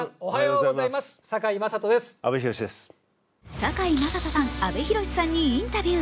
堺雅人さん、阿部寛さんにインタビュー。